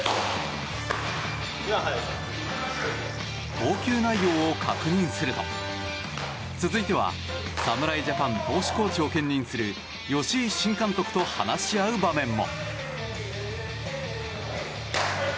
投球内容を確認すると続いては、侍ジャパン投手コーチも兼任する吉井新監督と話し合う場面も。